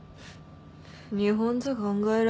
日本じゃ考えられねえね。